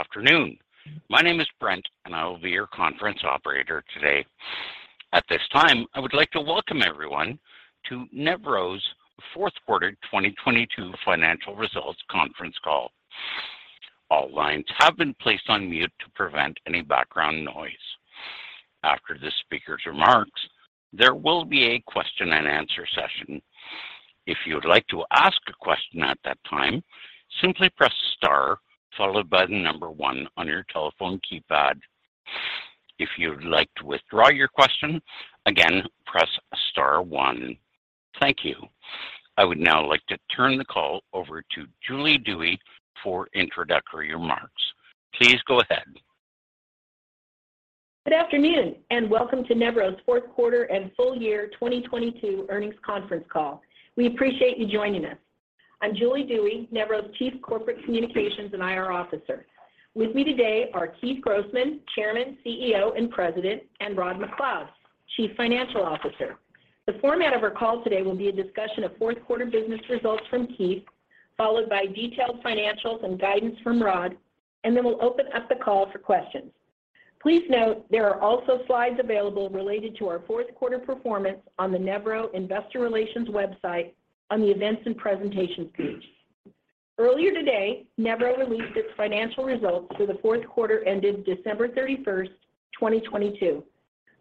Good afternoon. My name is Brent, and I will be your conference operator today. At this time, I would like to welcome everyone to Nevro's fourth quarter 2022 financial results conference call. All lines have been placed on mute to prevent any background noise. After the speaker's remarks, there will be a question and answer session. If you'd like to ask a question at that time, simply press star followed by the number one on your telephone keypad. If you'd like to withdraw your question, again, press star one. Thank you. I would now like to turn the call over to Julie Dewey for introductory remarks. Please go ahead. Good afternoon, and welcome to Nevro's fourth quarter and full year 2022 earnings conference call. We appreciate you joining us. I'm Julie Dewey, Nevro's Chief Corporate Communications and IR Officer. With me today are D. Keith Grossman, Chairman, CEO, and President, and Rod MacLeod, Chief Financial Officer. The format of our call today will be a discussion of fourth quarter business results from Keith, followed by detailed financials and guidance from Rod, then we'll open up the call for questions. Please note there are also slides available related to our fourth quarter performance on the Nevro investor relations website on the Events and Presentations page. Earlier today, Nevro released its financial results for the fourth quarter ended December 31, 2022.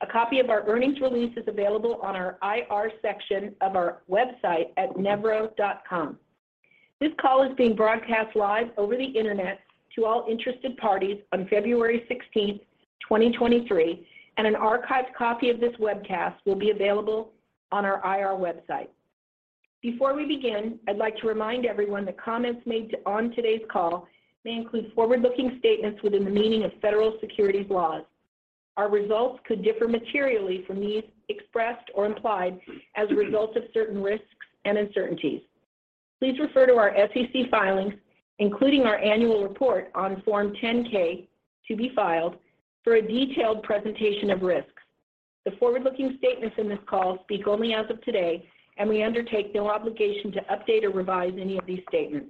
A copy of our earnings release is available on our IR section of our website at nevro.com. This call is being broadcast live over the Internet to all interested parties on February 16th, 2023, and an archived copy of this webcast will be available on our IR website. Before we begin, I'd like to remind everyone that comments made on today's call may include forward-looking statements within the meaning of Federal Securities laws. Our results could differ materially from these expressed or implied as a result of certain risks and uncertainties. Please refer to our SEC filings, including our annual report on Form 10-K to be filed for a detailed presentation of risks. The forward-looking statements in this call speak only as of today, and we undertake no obligation to update or revise any of these statements.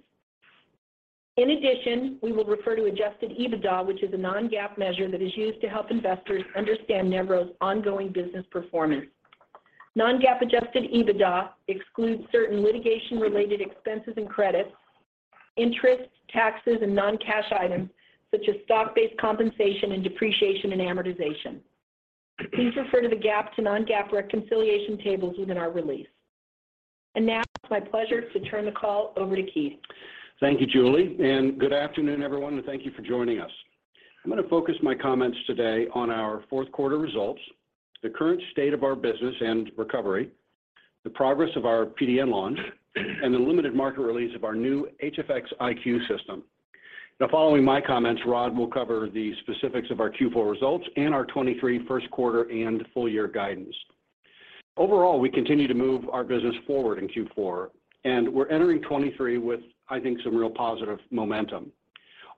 In addition, we will refer to Adjusted EBITDA, which is a non-GAAP measure that is used to help investors understand Nevro's ongoing business performance. Non-GAAP Adjusted EBITDA excludes certain litigation-related expenses and credits, interest, taxes, and non-cash items such as stock-based compensation and depreciation and amortization. Please refer to the GAAP to non-GAAP reconciliation tables within our release. Now it's my pleasure to turn the call over to Keith. Thank you, Julie, and good afternoon, everyone, and thank you for joining us. I'm going to focus my comments today on our fourth quarter results, the current state of our business and recovery, the progress of our PDN launch, and the limited market release of our new HFX iQ system. Following my comments, Rod will cover the specifics of our Q4 results and our 23 first quarter and full year guidance. Overall, we continue to move our business forward in Q4, and we're entering 23 with, I think, some real positive momentum.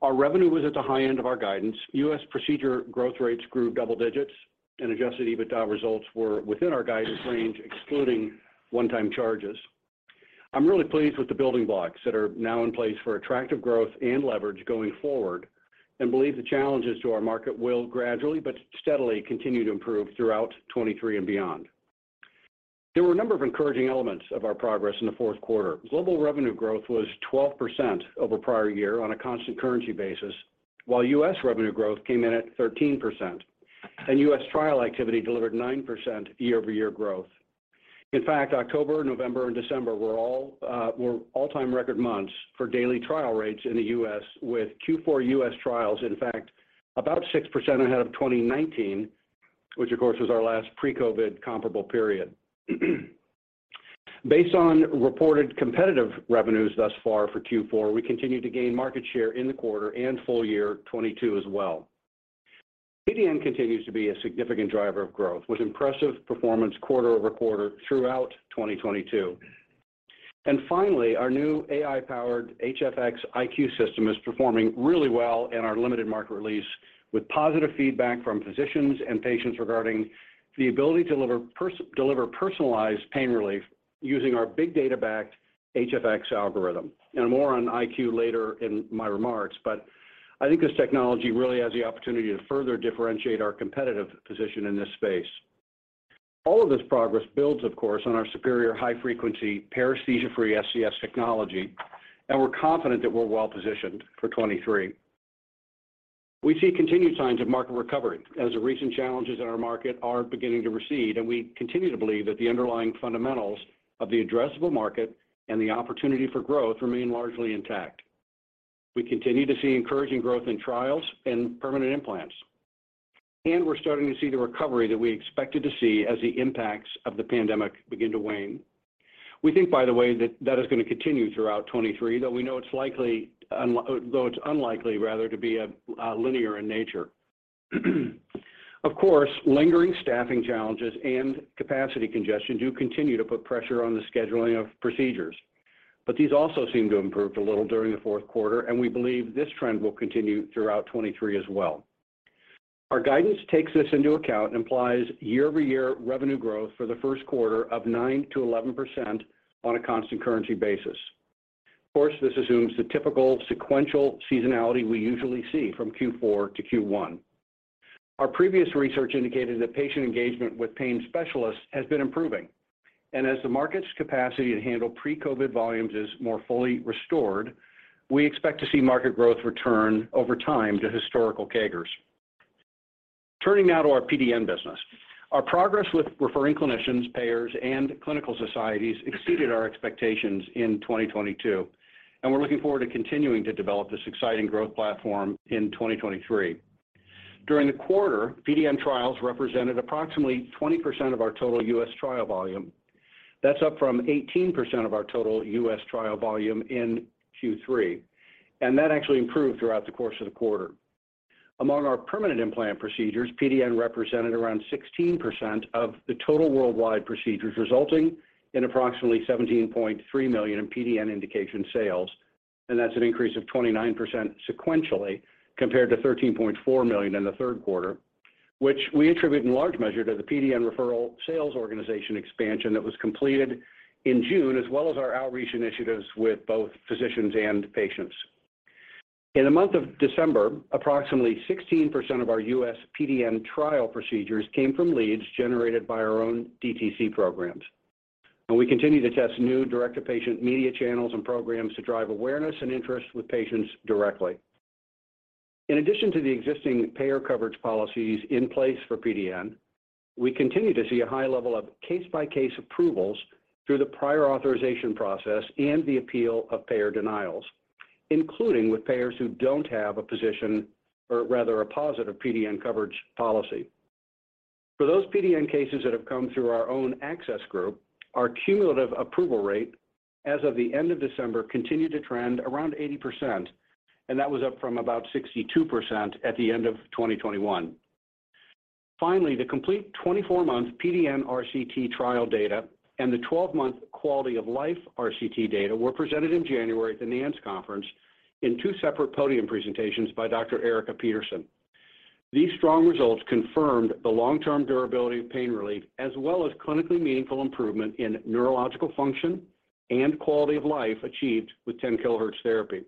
Our revenue was at the high end of our guidance. U.S. procedure growth rates grew double digits and Adjusted EBITDA results were within our guidance range, excluding one-time charges. I'm really pleased with the building blocks that are now in place for attractive growth and leverage going forward, and believe the challenges to our market will gradually but steadily continue to improve throughout 2023 and beyond. There were a number of encouraging elements of our progress in the fourth quarter. Global revenue growth was 12% over prior year on a constant currency basis, while U.S. revenue growth came in at 13%, and U.S. trial activity delivered 9% year-over-year growth. In fact, October, November, and December were all-time record months for daily trial rates in the U.S., with Q4 U.S. trials, in fact, about 6 ahead of 2019, which of course was our last pre-COVID comparable period. Based on reported competitive revenues thus far for Q4, we continued to gain market share in the quarter and full year 2022 as well. PDN continues to be a significant driver of growth, with impressive performance quarter-over-quarter throughout 2022. Finally, our new AI-powered HFX iQ system is performing really well in our limited market release, with positive feedback from physicians and patients regarding the ability to deliver personalized pain relief using our big data-backed HFX Algorithm. More on iQ later in my remarks, I think this technology really has the opportunity to further differentiate our competitive position in this space. All of this progress builds, of course, on our superior high-frequency paresthesia-free SCS technology. We're confident that we're well positioned for 2023. We see continued signs of market recovery as the recent challenges in our market are beginning to recede. We continue to believe that the underlying fundamentals of the addressable market and the opportunity for growth remain largely intact. We continue to see encouraging growth in trials and permanent implants. We're starting to see the recovery that we expected to see as the impacts of the pandemic begin to wane. We think, by the way, that that is going to continue throughout 2023, though we know it's unlikely rather to be linear in nature. Of course, lingering staffing challenges and capacity congestion do continue to put pressure on the scheduling of procedures. These also seem to have improved a little during the fourth quarter. We believe this trend will continue throughout 2023 as well. Our guidance takes this into account and implies year-over-year revenue growth for the first quarter of 9% to 11% on a constant currency basis. Of course, this assumes the typical sequential seasonality we usually see from Q4 to Q1. Our previous research indicated that patient engagement with pain specialists has been improving. As the market's capacity to handle pre-COVID volumes is more fully restored, we expect to see market growth return over time to historical CAGRs. Turning now to our PDN business. Our progress with referring clinicians, payers, and clinical societies exceeded our expectations in 2022, and we're looking forward to continuing to develop this exciting growth platform in 2023. During the quarter, PDN trials represented approximately 20% of our total U.S. trial volume. That's up from 18% of our total U.S. trial volume in Q3. That actually improved throughout the course of the quarter. Among our permanent implant procedures, PDN represented around 16% of the total worldwide procedures, resulting in approximately $17.3 million in PDN indication sales. That's an increase of 29% sequentially compared to $13.4 million in the third quarter. Which we attribute in large measure to the PDN referral sales organization expansion that was completed in June, as well as our outreach initiatives with both physicians and patients. In the month of December, approximately 16% of our U.S. PDN trial procedures came from leads generated by our own DTC programs. We continue to test new direct-to-patient media channels and programs to drive awareness and interest with patients directly. In addition to the existing payer coverage policies in place for PDN, we continue to see a high level of case-by-case approvals through the prior authorization process and the appeal of payer denials, including with payers who don't have a position or rather a positive PDN coverage policy. For those PDN cases that have come through our own access group, our cumulative approval rate as of the end of December continued to trend around 80%, and that was up from about 62% at the end of 2021. The complete 24-month PDN RCT trial data and the 12-month quality of life RCT data were presented in January at the NANS conference in two separate podium presentations by Dr. Erika Petersen. These strong results confirmed the long-term durability of pain relief, as well as clinically meaningful improvement in neurological function and quality of life achieved with 10 kHz therapy.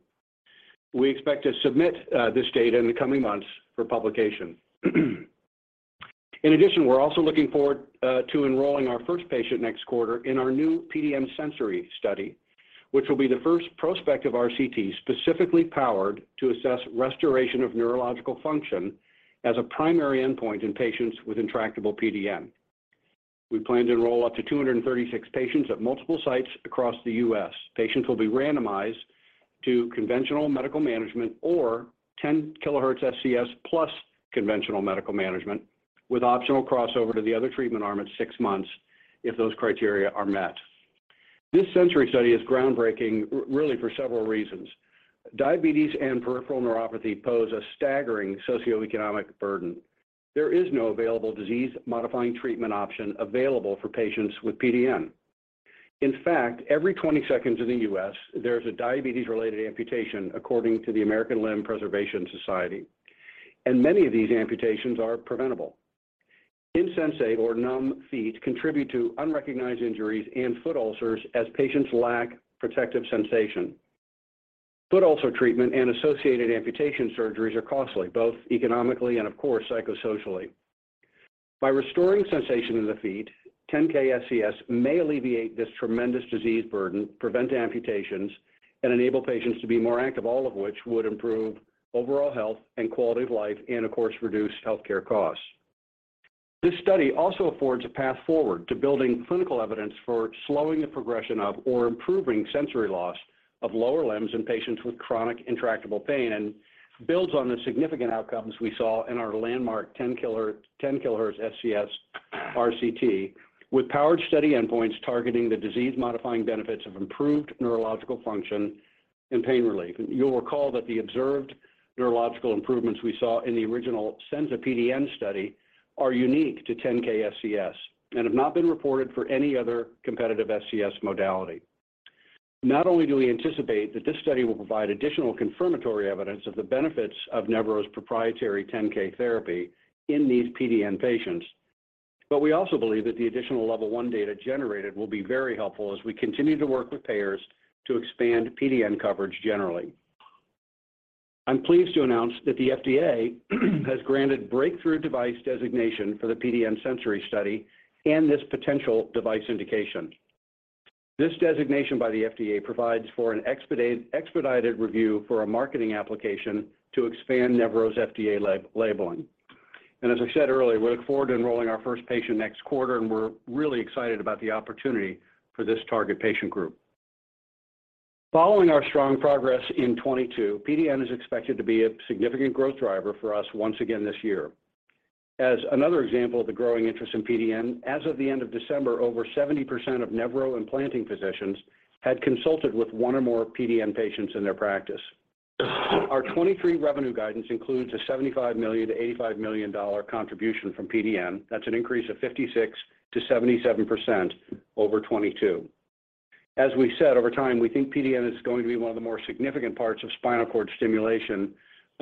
We expect to submit this data in the coming months for publication. In addition, we're also looking forward to enrolling our first patient next quarter in our new PDN-Sensory study, which will be the first prospective RCT specifically powered to assess restoration of neurological function as a primary endpoint in patients with intractable PDN. We plan to enroll up to 236 patients at multiple sites across the U.S. Patients will be randomized to conventional medical management or 10 kHz SCS plus conventional medical management with optional crossover to the other treatment arm at 6 months if those criteria are met. This sensory study is groundbreaking really for several reasons. Diabetes and peripheral neuropathy pose a staggering socioeconomic burden. There is no available disease-modifying treatment option available for patients with PDN. In fact, every 20 seconds in the U.S., there's a diabetes-related amputation according to the American Limb Preservation Society, and many of these amputations are preventable. Insensate or numb feet contribute to unrecognized injuries and foot ulcers as patients lack protective sensation. Foot ulcer treatment and associated amputation surgeries are costly, both economically and of course, psychosocially. By restoring sensation in the feet, 10 kHz SCS may alleviate this tremendous disease burden, prevent amputations, and enable patients to be more active, all of which would improve overall health and quality of life and of course, reduce healthcare costs. This study also affords a path forward to building clinical evidence for slowing the progression of or improving sensory loss of lower limbs in patients with chronic intractable pain and builds on the significant outcomes we saw in our landmark 10 kHz SCS RCT with powered study endpoints targeting the disease-modifying benefits of improved neurological function and pain relief. You'll recall that the observed neurological improvements we saw in the original SENZA-PDN study are unique to 10 kHz SCS and have not been reported for any other competitive SCS modality. Not only do we anticipate that this study will provide additional confirmatory evidence of the benefits of Nevro's proprietary 10 kHz herapy in these PDN patients, but we also believe that the additional level 1 data generated will be very helpful as we continue to work with payers to expand PDN coverage generally. I'm pleased to announce that the FDA has granted breakthrough device designation for the PDN-Sensory study and this potential device indication. This designation by the FDA provides for an expedited review for a marketing application to expand Nevro's FDA labeling. As I said earlier, we look forward to enrolling our first patient next quarter, and we're really excited about the opportunity for this target patient group. Following our strong progress in 2022, PDN is expected to be a significant growth driver for us once again this year. As another example of the growing interest in PDN, as of the end of December, over 70% of Nevro implanting physicians had consulted with one or more PDN patients in their practice. Our 2023 revenue guidance includes a $75 million-$85 million contribution from PDN. That's an increase of 56%-77% over 2022. As we said, over time, we think PDN is going to be one of the more significant parts of spinal cord stimulation,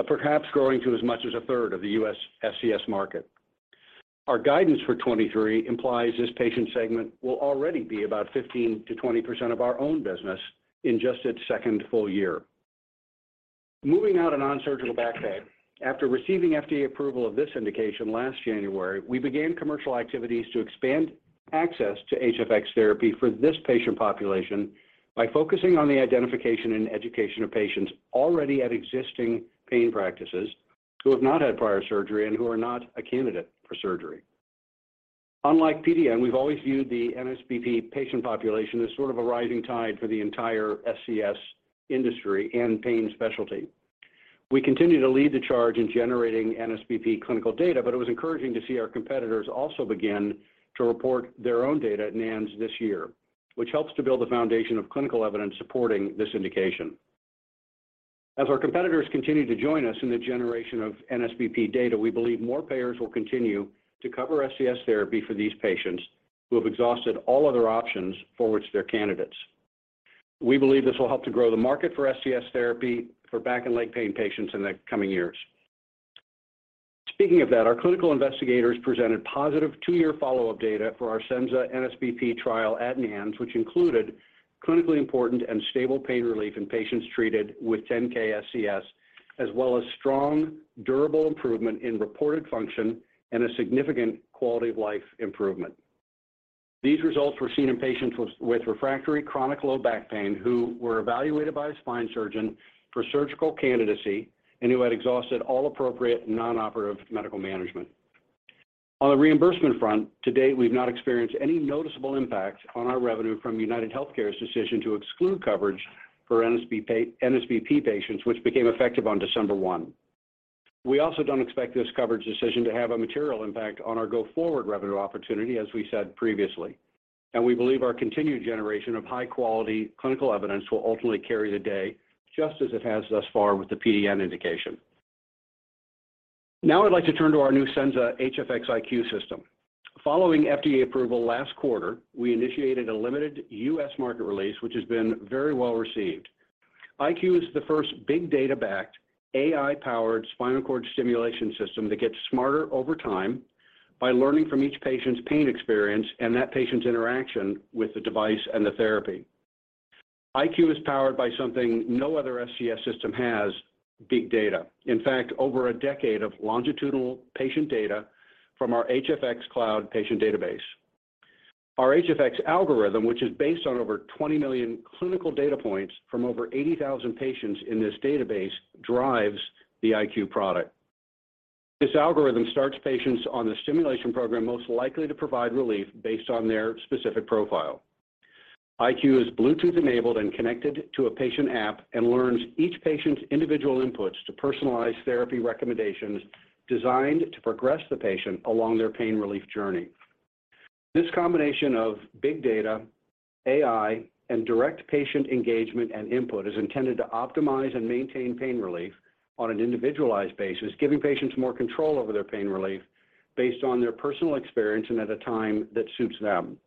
perhaps growing to as much as a third of the U.S. SCS market. Our guidance for 2023 implies this patient segment will already be about 15%-20% of our own business in just its second full year. Moving out on Non-Surgical Back Pain, after receiving FDA approval of this indication last January, we began commercial activities to expand access to HFX therapy for this patient population by focusing on the identification and education of patients already at existing pain practices who have not had prior surgery and who are not a candidate for surgery. Unlike PDN, we've always viewed the NSBP patient population as sort of a rising tide for the entire SCS industry and pain specialty. It was encouraging to see our competitors also begin to report their own data at NANS this year, which helps to build the foundation of clinical evidence supporting this indication. As our competitors continue to join us in the generation of NSBP data, we believe more payers will continue to cover SCS therapy for these patients who have exhausted all other options for which they're candidates. We believe this will help to grow the market for SCS therapy for back and leg pain patients in the coming years. Speaking of that, our clinical investigators presented positive 2-year follow-up data for our Senza NSBP trial at NANS, which included clinically important and stable pain relief in patients treated with 10 kHz SCS, as well as strong, durable improvement in reported function and a significant quality of life improvement. These results were seen in patients with refractory chronic low back pain who were evaluated by a spine surgeon for surgical candidacy and who had exhausted all appropriate non-operative medical management. On the reimbursement front, to date, we've not experienced any noticeable impact on our revenue from UnitedHealthcare's decision to exclude coverage for NSBP patients, which became effective on December one. We also don't expect this coverage decision to have a material impact on our go-forward revenue opportunity, as we said previously. We believe our continued generation of high-quality clinical evidence will ultimately carry the day, just as it has thus far with the PDN indication. Now I'd like to turn to our new Senza HFX iQ system. Following FDA approval last quarter, we initiated a limited U.S. market release, which has been very well-received. iQ is the first big data-backed AI-powered spinal cord stimulation system that gets smarter over time by learning from each patient's pain experience and that patient's interaction with the device and the therapy. iQ is powered by something no other SCS system has, big data. In fact, over a decade of longitudinal patient data from our HFX Cloud patient database. Our HFX Algorithm, which is based on over 20 million clinical data points from over 80,000 patients in this database, drives the iQ product. This algorithm starts patients on the stimulation program most likely to provide relief based on their specific profile. iQ is Bluetooth-enabled and connected to a patient app and learns each patient's individual inputs to personalize therapy recommendations designed to progress the patient along their pain relief journey. This combination of big data, AI, and direct patient engagement and input is intended to optimize and maintain pain relief on an individualized basis, giving patients more control over their pain relief based on their personal experience and at a time that suits them.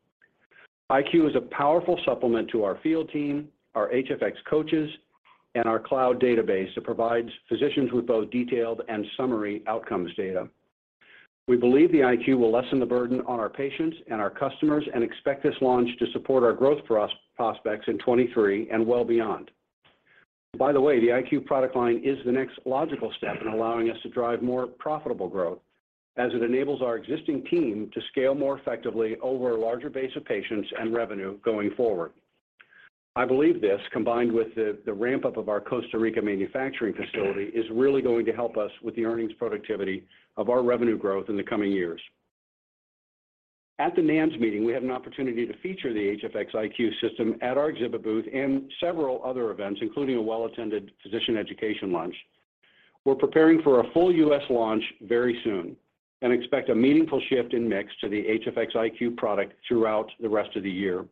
iQ is a powerful supplement to our field team, our HFX coaches, and our cloud database that provides physicians with both detailed and summary outcomes data. We believe the iQ will lessen the burden on our patients and our customers and expect this launch to support our growth prospects in 23 and well beyond. By the way, the iQ product line is the next logical step in allowing us to drive more profitable growth as it enables our existing team to scale more effectively over a larger base of patients and revenue going forward. I believe this, combined with the ramp-up of our Costa Rica manufacturing facility, is really going to help us with the earnings productivity of our revenue growth in the coming years. At the NANS meeting, we had an opportunity to feature the HFX iQ system at our exhibit booth and several other events, including a well-attended physician education lunch. We're preparing for a full U.S. launch very soon and expect a meaningful shift in mix to the HFX iQ product throughout the rest of the year.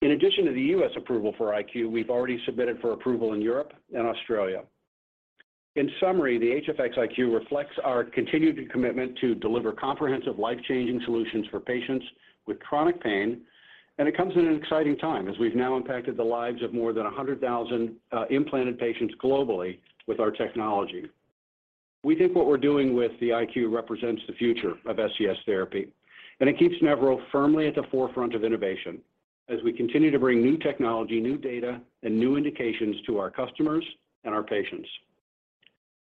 In addition to the U.S. approval for iQ, we've already submitted for approval in Europe and Australia. In summary, the HFX iQ reflects our continued commitment to deliver comprehensive life-changing solutions for patients with chronic pain, and it comes at an exciting time as we've now impacted the lives of more than 100,000 implanted patients globally with our technology. We think what we're doing with the iQ represents the future of SCS therapy. It keeps Nevro firmly at the forefront of innovation as we continue to bring new technology, new data, and new indications to our customers and our patients.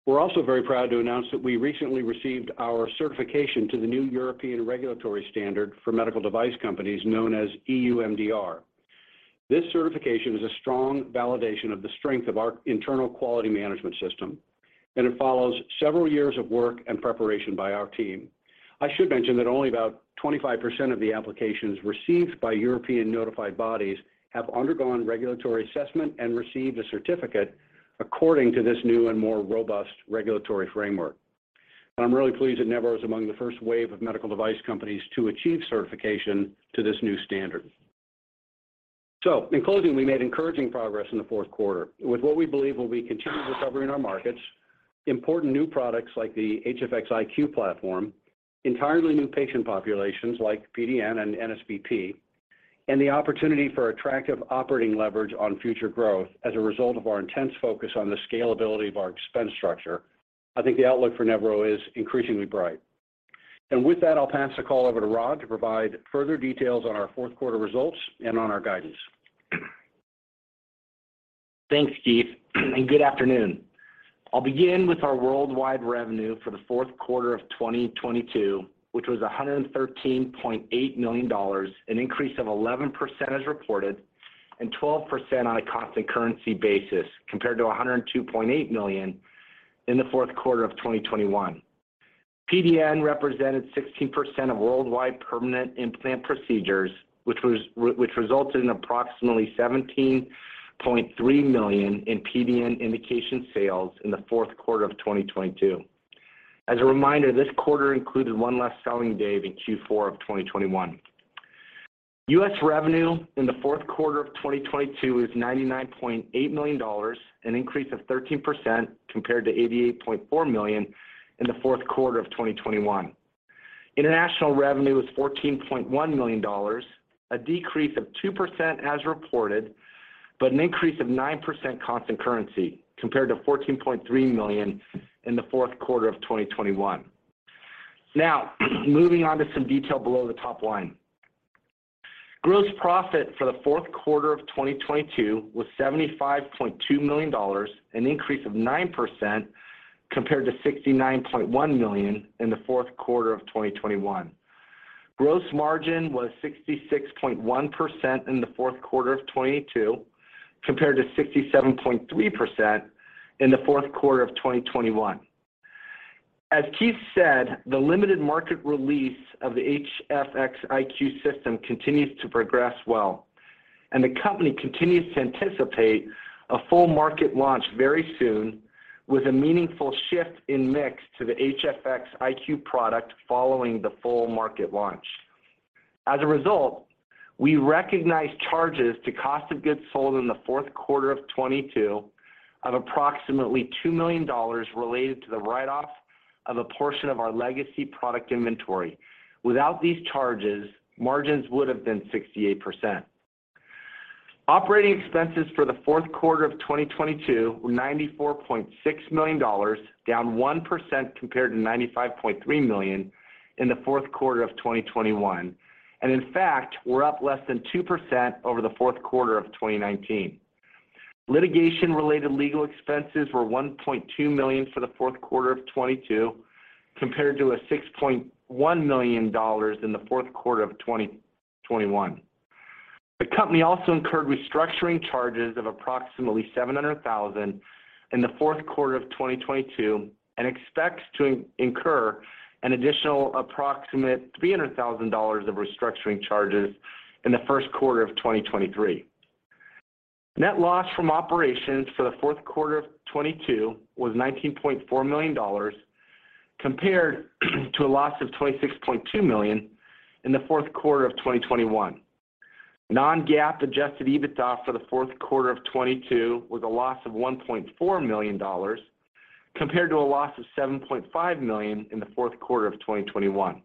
We're also very proud to announce that we recently received our certification to the new European regulatory standard for medical device companies known as EU MDR. This certification is a strong validation of the strength of our internal quality management system. It follows several years of work and preparation by our team. I should mention that only about 25% of the applications received by European notified bodies have undergone regulatory assessment and received a certificate according to this new and more robust regulatory framework. I'm really pleased that Nevro is among the first wave of medical device companies to achieve certification to this new standard. In closing, we made encouraging progress in the fourth quarter with what we believe will be continued recovery in our markets, important new products like the HFX iQ platform, entirely new patient populations like PDN and NSBP, and the opportunity for attractive operating leverage on future growth as a result of our intense focus on the scalability of our expense structure, I think the outlook for Nevro is increasingly bright. With that, I'll pass the call over to Rod to provide further details on our fourth quarter results and on our guidance. Thanks, Keith. Good afternoon. I'll begin with our worldwide revenue for the fourth quarter of 2022, which was $113.8 million, an increase of 11% as reported, 12% on a constant currency basis compared to $102.8 million in the fourth quarter of 2021. PDN represented 16% of worldwide permanent implant procedures, which resulted in approximately $17.3 million in PDN indication sales in the fourth quarter of 2022. As a reminder, this quarter included one less selling day than Q4 of 2021. U.S. revenue in the fourth quarter of 2022 is $99.8 million, an increase of 13% compared to $88.4 million in the fourth quarter of 2021. International revenue was $14.1 million, a decrease of 2% as reported, but an increase of 9% constant currency compared to $14.3 million in the fourth quarter of 2021. Moving on to some detail below the top line. Gross profit for the fourth quarter of 2022 was $75.2 million, an increase of 9% compared to $69.1 million in the fourth quarter of 2021. Gross margin was 66.1% in the fourth quarter of 2022 compared to 67.3% in the fourth quarter of 2021. As Keith said, the limited market release of the HFX iQ system continues to progress well, and the company continues to anticipate a full market launch very soon with a meaningful shift in mix to the HFX iQ product following the full market launch. As a result, we recognized charges to cost of goods sold in the fourth quarter of 2022 of approximately $2 million related to the write-off of a portion of our legacy product inventory. Without these charges, margins would have been 68%. Operating expenses for the fourth quarter of 2022 were $94.6 million, down 1% compared to $95.3 million in the fourth quarter of 2021. In fact, were up less than 2% over the fourth quarter of 2019. Litigation-related legal expenses were $1.2 million for the fourth quarter of 2022 compared to $6.1 million in the fourth quarter of 2021. The company also incurred restructuring charges of approximately $700,000 in the fourth quarter of 2022 and expects to incur an additional approximate $300,000 of restructuring charges in the first quarter of 2023. Net loss from operations for the fourth quarter of 2022 was $19.4 million compared to a loss of $26.2 million in the fourth quarter of 2021. non-GAAP Adjusted EBITDA for the fourth quarter of 2022 was a loss of $1.4 million compared to a loss of $7.5 million in the fourth quarter of 2021.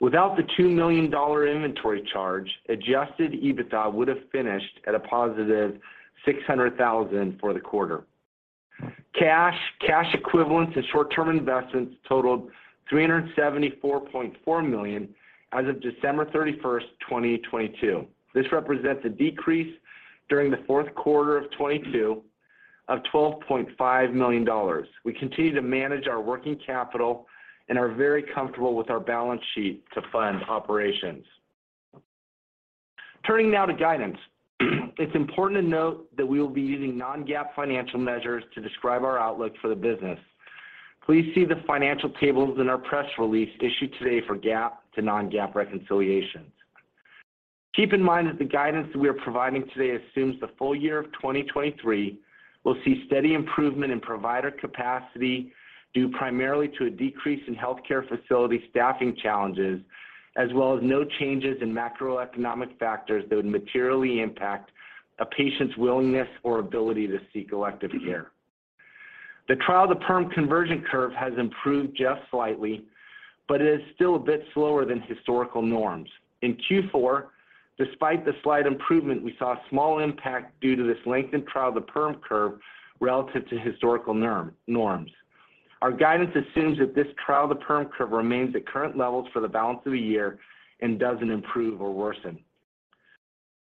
Without the $2 million inventory charge, Adjusted EBITDA would have finished at a positive $600,000 for the quarter. Cash, cash equivalents and short-term investments totaled $374.4 million as of December 31st, 2022. This represents a decrease during the fourth quarter of 2022 of $12.5 million. We continue to manage our working capital and are very comfortable with our balance sheet to fund operations. Turning now to guidance. It's important to note that we will be using non-GAAP financial measures to describe our outlook for the business. Please see the financial tables in our press release issued today for GAAP to non-GAAP reconciliations. Keep in mind that the guidance that we are providing today assumes the full year of 2023 will see steady improvement in provider capacity due primarily to a decrease in healthcare facility staffing challenges, as well as no changes in macroeconomic factors that would materially impact a patient's willingness or ability to seek elective care. The trial to perm conversion curve has improved just slightly, but it is still a bit slower than historical norms. In Q4, despite the slight improvement, we saw a small impact due to this lengthened trial to perm curve relative to historical norms. Our guidance assumes that this trial to perm curve remains at current levels for the balance of the year and doesn't improve or worsen.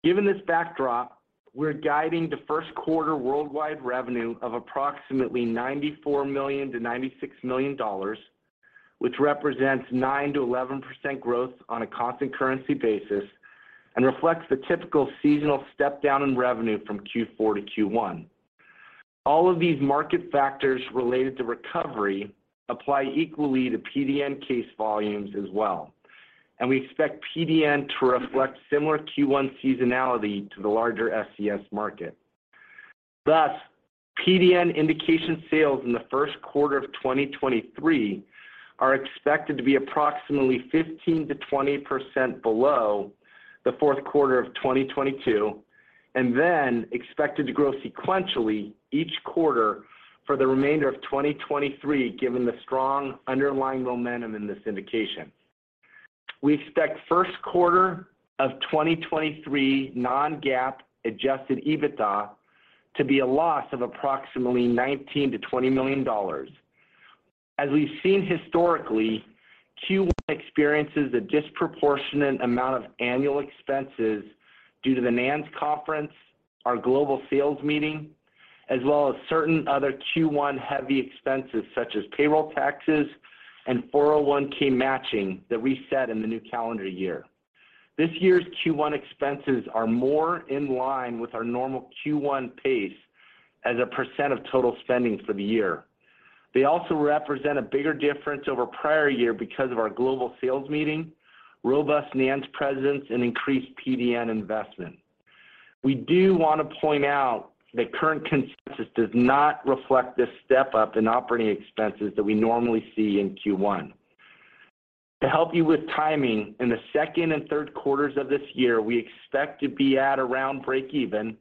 Given this backdrop, we're guiding the first quarter worldwide revenue of approximately $94 million-$96 million, which represents 9%-11% growth on a constant currency basis and reflects the typical seasonal step down in revenue from Q4 to Q1. All of these market factors related to recovery apply equally to PDN case volumes as well, and we expect PDN to reflect similar Q1 seasonality to the larger SCS market. PDN indication sales in the first quarter of 2023 are expected to be approximately 15%-20% below the fourth quarter of 2022, expected to grow sequentially each quarter for the remainder of 2023, given the strong underlying momentum in this indication. We expect first quarter of 2023 non-GAAP Adjusted EBITDA to be a loss of approximately $19 million-$20 million. As we've seen historically, Q1 experiences a disproportionate amount of annual expenses due to the NANS conference, our global sales meeting, as well as certain other Q1 heavy expenses such as payroll taxes and 401(k) matching that we set in the new calendar year. This year's Q1 expenses are more in line with our normal Q1 pace as a % of total spending for the year. They also represent a bigger difference over prior year because of our global sales meeting, robust NANS presence, and increased PD&M investment. We do want to point out that current consensus does not reflect this step-up in operating expenses that we normally see in Q1. To help you with timing, in the 2nd and 3rd quarters of this year, we expect to be at around breakeven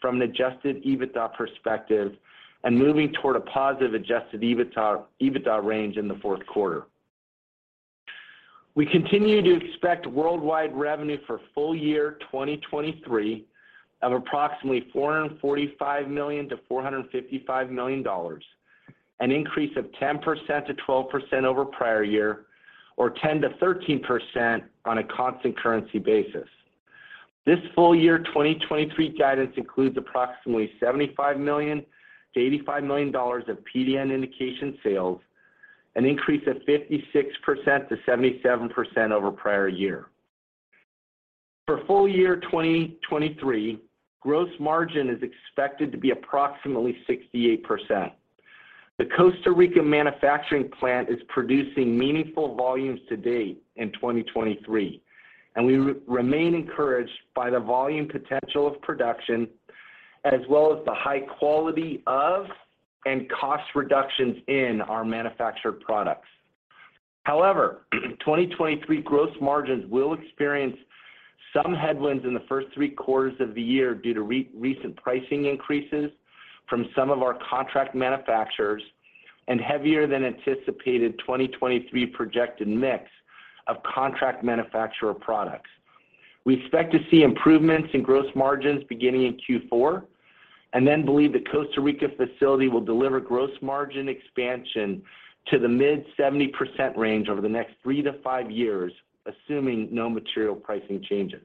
from an Adjusted EBITDA perspective and moving toward a positive Adjusted EBITDA range in the 4th quarter. We continue to expect worldwide revenue for full year 2023 of approximately $445 million-$455 million, an increase of 10%-12% over prior year, or 10%-13% on a constant currency basis. This full year 2023 guidance includes approximately $75 million-$85 million of PDN indication sales, an increase of 56%-77% over prior year. For full year 2023, gross margin is expected to be approximately 68%. The Costa Rica manufacturing plant is producing meaningful volumes to date in 2023, and we remain encouraged by the volume potential of production as well as the high quality of and cost reductions in our manufactured products. However, 2023 gross margins will experience some headwinds in the first three quarters of the year due to recent pricing increases from some of our contract manufacturers and heavier than anticipated 2023 projected mix of contract manufacturer products. We expect to see improvements in gross margins beginning in Q4 and then believe the Costa Rica facility will deliver gross margin expansion to the mid-70% range over the next 3 to 5 years, assuming no material pricing changes.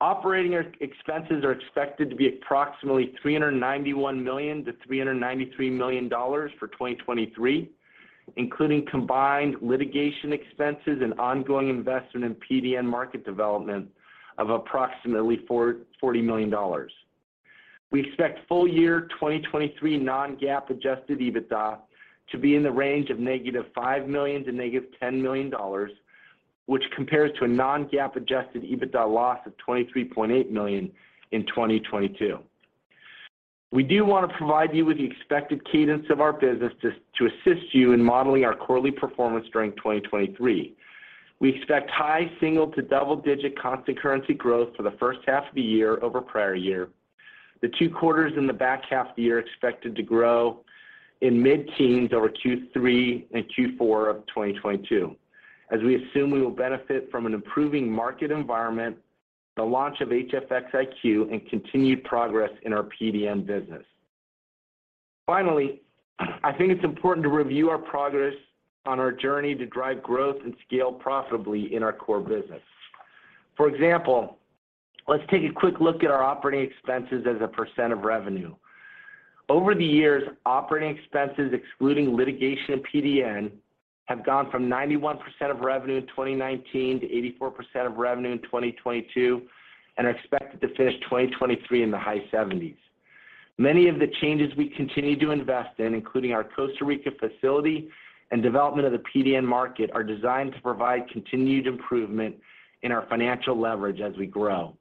Operating expenses are expected to be approximately $391 million-$393 million for 2023, including combined litigation expenses and ongoing investment in PD&M market development of approximately $40 million. We expect full year 2023 non-GAAP Adjusted EBITDA to be in the range of negative $5 million to negative $10 million, which compares to a non-GAAP Adjusted EBITDA loss of $23.8 million in 2022. We do want to provide you with the expected cadence of our business to assist you in modeling our quarterly performance during 2023. We expect high single- to double-digit % constant currency growth for the first half of the year over prior year. The two quarters in the back half of the year are expected to grow in mid-teens % over Q3 and Q4 of 2022 as we assume we will benefit from an improving market environment, the launch of HFX iQ, and continued progress in our PDN business. Finally, I think it's important to review our progress on our journey to drive growth and scale profitably in our core business. For example, let's take a quick look at our operating expenses as a % of revenue. Over the years, operating expenses excluding litigation and PDN have gone from 91% of revenue in 2019 to 84% of revenue in 2022 and are expected to finish 2023 in the high 70s. Many of the changes we continue to invest in, including our Costa Rica facility and development of the PDN market, are designed to provide continued improvement in our financial leverage as we grow.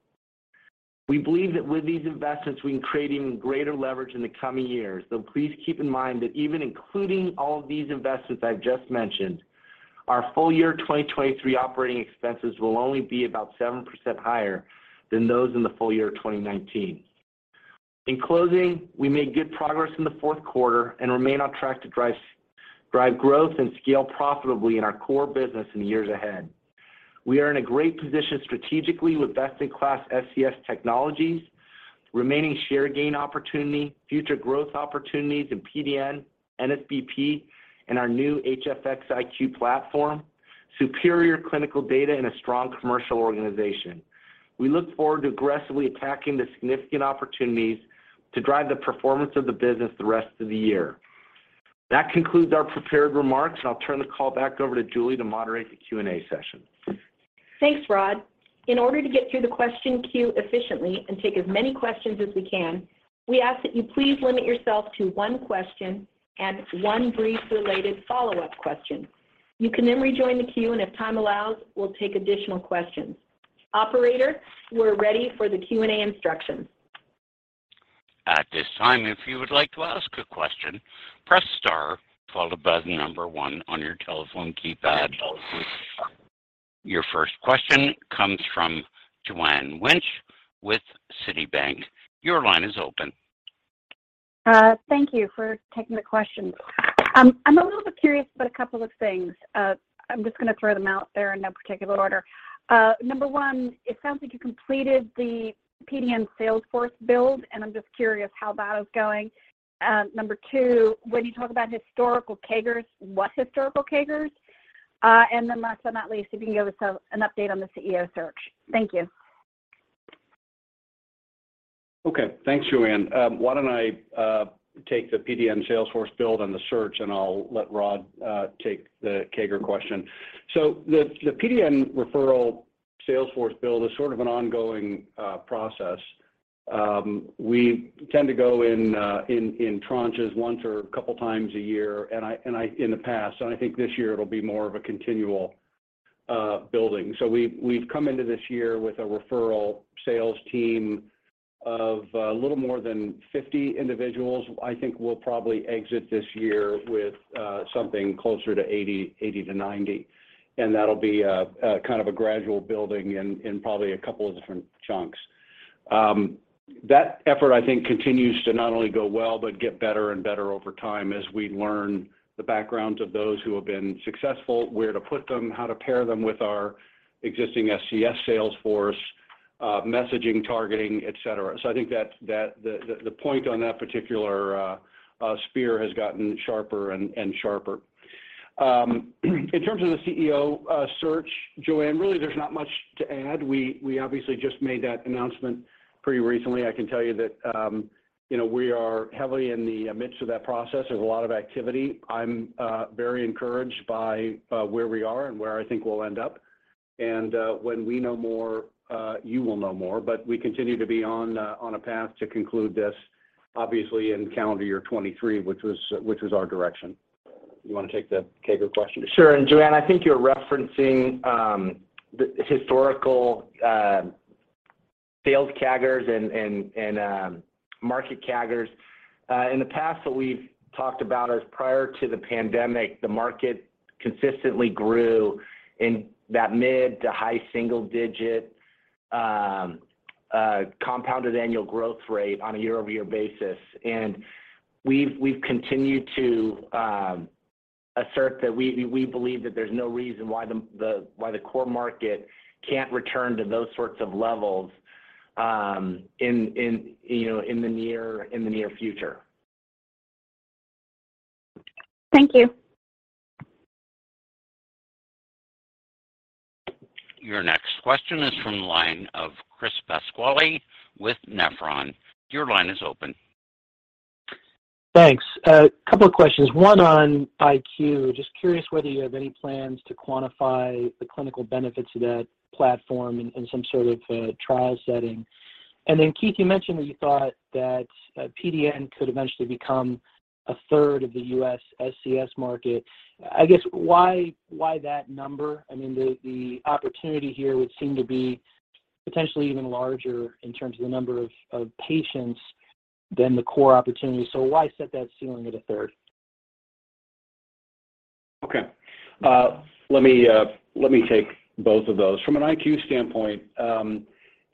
We believe that with these investments, we can create even greater leverage in the coming years. Please keep in mind that even including all of these investments I've just mentioned, our full year 2023 operating expenses will only be about 7% higher than those in the full year of 2019. In closing, we made good progress in the fourth quarter and remain on track to drive growth and scale profitably in our core business in the years ahead. We are in a great position strategically with best-in-class SCS technologies, remaining share gain opportunity, future growth opportunities in PDN, NSBP, and our new HFX iQ platform, superior clinical data, and a strong commercial organization. We look forward to aggressively attacking the significant opportunities to drive the performance of the business the rest of the year. That concludes our prepared remarks, and I'll turn the call back over to Julie to moderate the Q&A session. Thanks, Rod. In order to get through the question queue efficiently and take as many questions as we can, we ask that you please limit yourself to one question and one brief related follow-up question. You can then rejoin the queue, if time allows, we'll take additional questions. Operator, we're ready for the Q&A instructions. At this time, if you would like to ask a question, press star followed by the number 1 on your telephone keypad. Your first question comes from Joanne Wuensch with Citibank. Your line is open. Thank you for taking the question. I'm a little bit curious about a couple of things. I'm just gonna throw them out there in no particular order. Number 1, it sounds like you completed the PDN sales force build, and I'm just curious how that is going. Number 2, when you talk about historical CAGRs, what historical CAGRs? Last but not least, if you can give us a, an update on the CEO search. Thank you. Okay. Thanks, Joanne. Why don't I take the PDN sales force build and the search, and I'll let Rod take the CAGR question. The PDN referral sales force build is sort of an ongoing process. We tend to go in tranches once or a couple times a year, and in the past, and I think this year it'll be more of a continual building. We've come into this year with a referral sales team of a little more than 50 individuals. I think we'll probably exit this year with something closer to 80-90, and that'll be a kind of a gradual building in probably a couple of different chunks. That effort, I think, continues to not only go well, but get better and better over time as we learn the backgrounds of those who have been successful, where to put them, how to pair them with our existing SCS sales force, messaging, targeting, et cetera. I think that the point on that particular spear has gotten sharper and sharper. In terms of the CEO search, Joanne, really there's not much to add. We obviously just made that announcement pretty recently. I can tell you that, you know, we are heavily in the midst of that process. There's a lot of activity. I'm very encouraged by where we are and where I think we'll end up. When we know more, you will know more. We continue to be on a path to conclude this obviously in calendar year 2023, which was our direction. You wanna take the CAGR question? Sure. Joanne, I think you're referencing the historical sales CAGRs and market CAGRs. In the past, what we've talked about is prior to the pandemic, the market consistently grew in that mid to high single-digit compounded annual growth rate on a year-over-year basis. We've continued to assert that we believe that there's no reason why the core market can't return to those sorts of levels, you know, in the near future. Thank you. Your next question is from the line of Chris Pasquale with Nephron. Your line is open. Thanks. A couple of questions, one on iQ. Just curious whether you have any plans to quantify the clinical benefits of that platform in some sort of a trial setting. Keith, you mentioned that you thought that PDN could eventually become a third of the U.S. SCS market. I guess why that number? I mean, the opportunity here would seem to be potentially even larger in terms of the number of patients than the core opportunity. Why set that ceiling at a third? Okay. Let me, let me take both of those. From an iQ standpoint,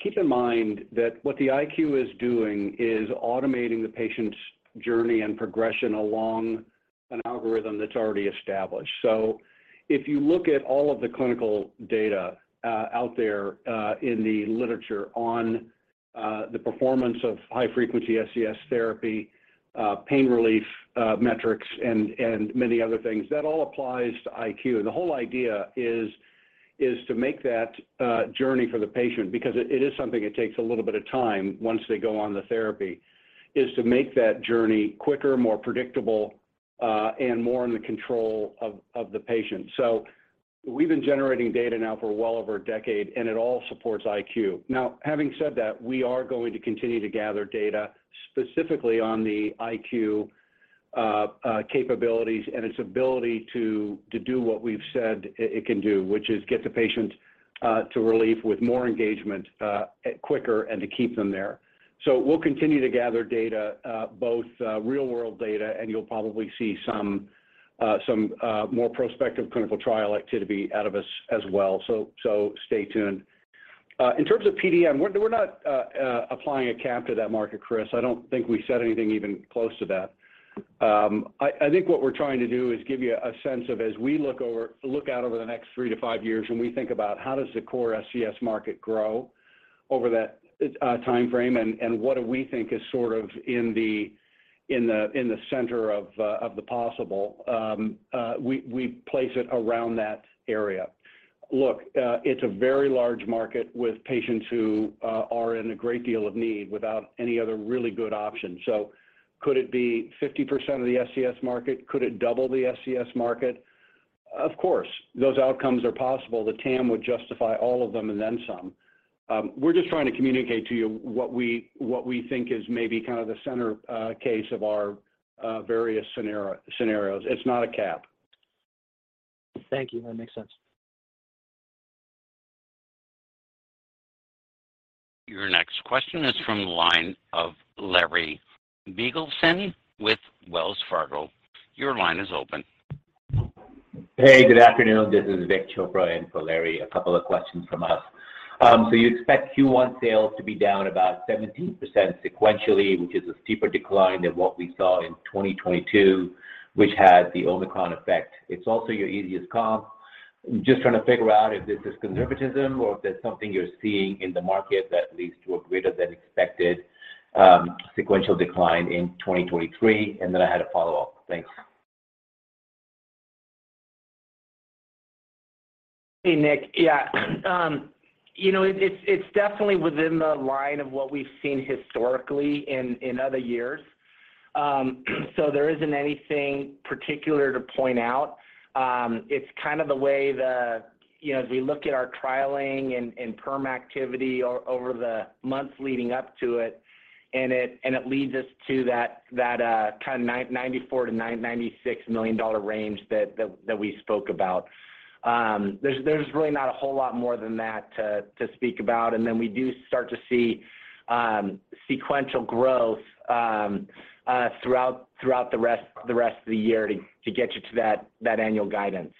keep in mind that what the iQ is doing is automating the patient's journey and progression along an algorithm that's already established. If you look at all of the clinical data out there in the literature on the performance of high frequency SCS therapy, pain relief, metrics and many other things, that all applies to iQ. The whole idea is to make that journey for the patient because it is something that takes a little bit of time once they go on the therapy, is to make that journey quicker, more predictable, and more in the control of the patient. We've been generating data now for well over a decade, and it all supports iQ. Having said that, we are going to continue to gather data specifically on the iQ capabilities and its ability to do what we've said it can do, which is get the patient to relief with more engagement, quicker and to keep them there. We'll continue to gather data, both real world data, and you'll probably see some more prospective clinical trial activity out of us as well, so stay tuned. In terms of PDN, we're not applying a cap to that market, Chris. I don't think we said anything even close to that. I think what we're trying to do is give you a sense of as we look out over the next 3 to 5 years and we think about how does the core SCS market grow over that timeframe and what do we think is sort of in the center of the possible, we place it around that area. It's a very large market with patients who are in a great deal of need without any other really good option. Could it be 50% of the SCS market? Could it double the SCS market? Of course, those outcomes are possible. The TAM would justify all of them and then some. We're just trying to communicate to you what we think is maybe kind of the center case of our various scenarios. It's not a cap. Thank you. That makes sense. Your next question is from the line of Larry Biegelsen with Wells Fargo. Your line is open. Hey, good afternoon. This is Vik Chopra in for Larry. A couple of questions from us. You expect Q1 sales to be down about 17% sequentially, which is a steeper decline than what we saw in 2022, which had the Omicron effect. It's also your easiest comp. Just trying to figure out if this is conservatism or if there's something you're seeing in the market that leads to a greater than expected sequential decline in 2023. I had a follow-up. Thanks. Hey, Vik. Yeah. You know, it's definitely within the line of what we've seen historically in other years. There isn't anything particular to point out. It's kind of the way the, you know, as we look at our trialing and perm activity over the months leading up to it, and it leads us to that $94 million-$96 million range that we spoke about. There's really not a whole lot more than that to speak about. We do start to see sequential growth throughout the rest of the year to get you to that annual guidance.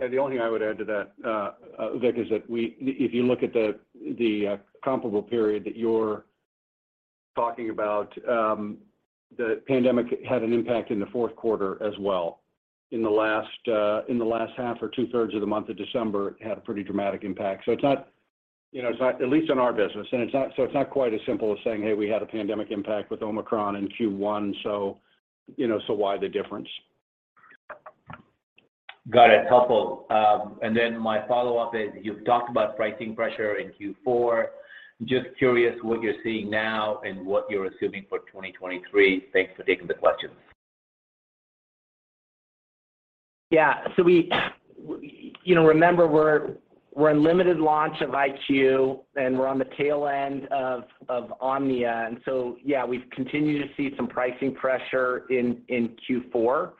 Yeah. The only thing I would add to that, Vik, is that if you look at the comparable period that you're talking about, the pandemic had an impact in the fourth quarter as well. In the last half or two-thirds of the month of December, it had a pretty dramatic impact. So it's not, you know, it's not at least in our business. It's not quite as simple as saying, 'Hey, we had a pandemic impact with Omicron in Q1, so, you know, so why the difference?' Got it. Helpful. My follow-up is, you've talked about pricing pressure in Q4. Just curious what you're seeing now and what you're assuming for 2023. Thanks for taking the questions. Yeah. You know, remember we're in limited launch of iQ, and we're on the tail end of Omnia. Yeah, we've continued to see some pricing pressure in Q4.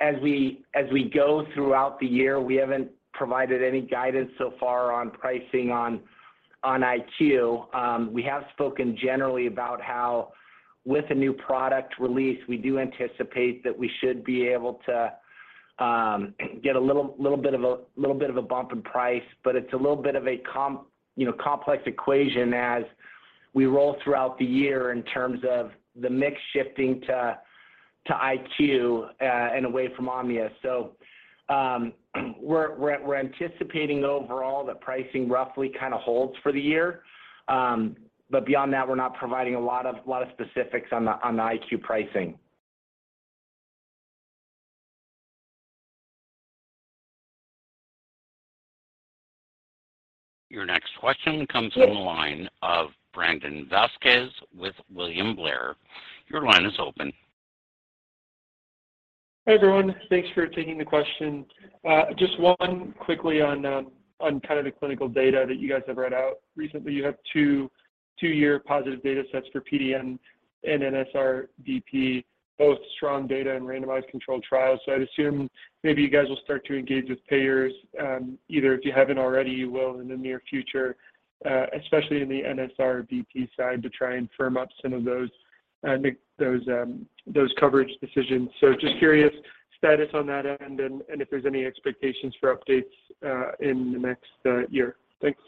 As we go throughout the year, we haven't provided any guidance so far on pricing on iQ. We have spoken generally about how with a new product release, we do anticipate that we should be able to get a little bit of a bump in price. It's a little bit of a you know, complex equation as we roll throughout the year in terms of the mix shifting to iQ and away from Omnia. We're anticipating overall that pricing roughly kinda holds for the year. Beyond that, we're not providing a lot of, lot of specifics on the, on the iQ pricing. Your next question comes from the line of Brandon Vazquez with William Blair. Your line is open. Hi, everyone. Thanks for taking the question. Just one quickly on kind of the clinical data that you guys have read out recently. You have 2 two-year positive data sets for PDN and NSRBP, both strong data and randomized controlled trials. I'd assume maybe you guys will start to engage with payers, either if you haven't already, you will in the near future, especially in the NSRBP side to try and firm up some of those coverage decisions. Just curious status on that end and if there's any expectations for updates, in the next, year. Thanks.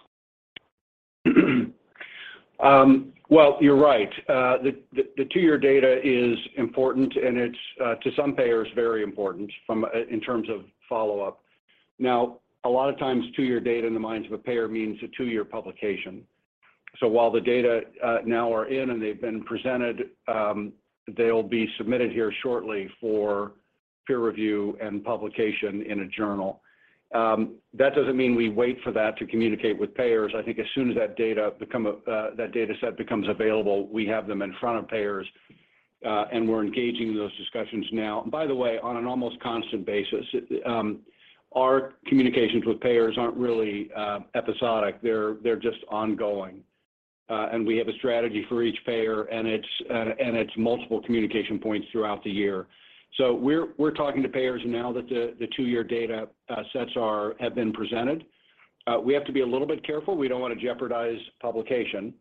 Well, you're right. The two-year data is important, and it's to some payers, very important in terms of follow-up. Now, a lot of times two-year data in the minds of a payer means a two-year publication. While the data now are in and they've been presented, they'll be submitted here shortly for peer review and publication in a journal. That doesn't mean we wait for that to communicate with payers. I think as soon as that data set becomes available, we have them in front of payers, and we're engaging those discussions now. By the way, on an almost constant basis, our communications with payers aren't really episodic, they're just ongoing. We have a strategy for each payer, and it's multiple communication points throughout the year. We're talking to payers now that the 2-year data sets have been presented. We have to be a little bit careful. We don't wanna jeopardize publication,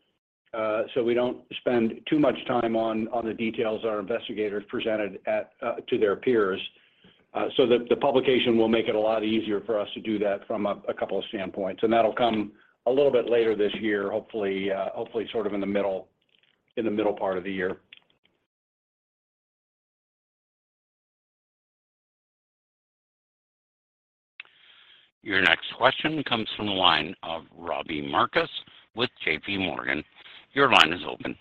so we don't spend too much time on the details our investigators presented at to their peers, so that the publication will make it a lot easier for us to do that from a couple of standpoints. That'll come a little bit later this year, hopefully sort of in the middle part of the year. Your next question comes from the line of Robbie Marcus with JPMorgan. Your line is open.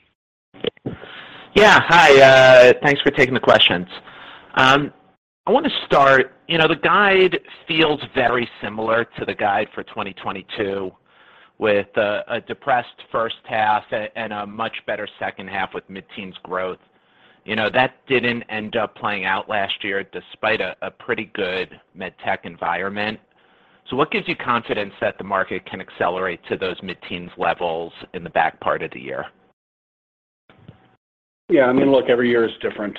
Hi. Thanks for taking the questions. I wanna start, you know, the guide feels very similar to the guide for 2022 with a depressed first half and a much better second half with mid-teens growth. You know, that didn't end up playing out last year despite a pretty good medtech environment. What gives you confidence that the market can accelerate to those mid-teens levels in the back part of the year? Yeah, I mean, look, every year is different.